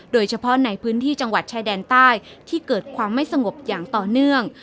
โดยเฉพาะในพื้นที่จังหวัดชายแดนใต้ที่เกิดความไม่สงบอย่างต่อเนื่อง